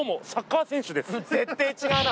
絶対違うな。